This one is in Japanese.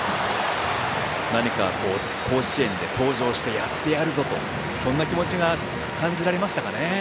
何か、甲子園で登場してやってやるぞ！とそんな気持ちが感じられましたか。